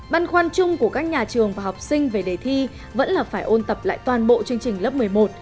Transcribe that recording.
băn khoăn chung của các nhà trường và học sinh về đề thi vẫn là phải ôn tập lại toàn bộ chương trình lớp một mươi một